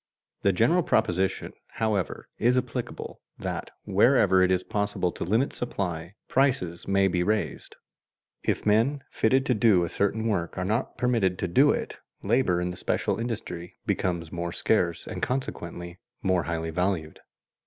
The general proposition, however, is applicable, that wherever it is possible to limit supply, prices may be raised. If men fitted to do a certain work are not permitted to do it, labor in the special industry becomes more scarce and consequently more highly valued.